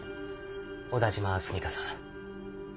小田島澄香さん。